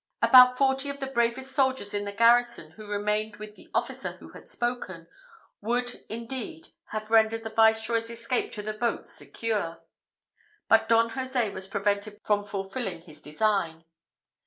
About forty of the bravest soldiers in the garrison, who remained with the officer who had spoken, would indeed have rendered the Viceroy's escape to the boats secure, but Don Jose was prevented from fulfilling his design.